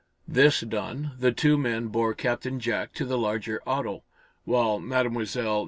This done, the two men bore Captain Jack to the larger auto, while Mlle.